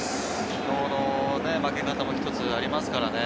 昨日の負け方も一つありますからね。